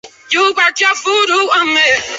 购物中心也鲜少。